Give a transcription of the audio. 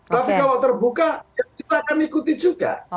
tapi kalau terbuka ya kita akan ikuti juga